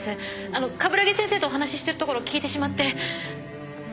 あの鏑木先生とお話ししてるところ聞いてしまって。